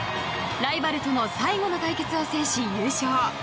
ライバルとの最後の対決を制し優勝。